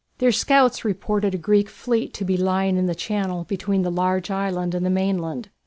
Their scouts reported a Greek fleet to be lying in the channel between the large island and the mainland.